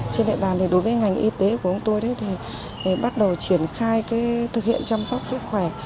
trên đại bàn thì đối với ngành y tế của chúng tôi thì bắt đầu triển khai thực hiện chăm sóc sức khỏe